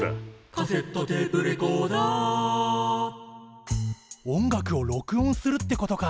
「カセットテープレコーダー」音楽を録音するってことか。